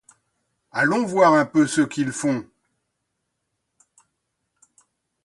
Allons voir un peu ce qu’ils font !